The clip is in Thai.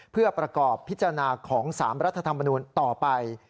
เพื่อประกอบพิจารณาของ๓รัฐธรรมนูลต่อไป